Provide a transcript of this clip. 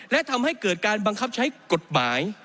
และทำให้เกิดการบังคับใช้กฎหมาย